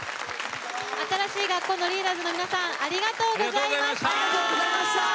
新しい学校のリーダーズの皆さんありがとうございました。